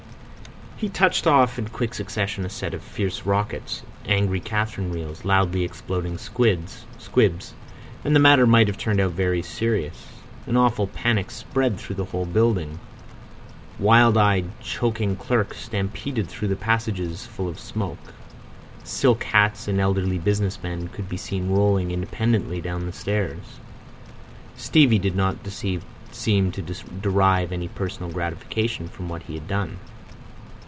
He touched off in quick succession a set of fierce rockets, angry catherine wheels, loudly exploding squibs—and the matter might have turned out very serious. An awful panic spread through the whole building. Wild eyed, choking clerks stampeded through the passages full of smoke, silk hats and elderly business men could be seen rolling independently down the stairs. Stevie did not seem to derive any personal gratification from what he had done.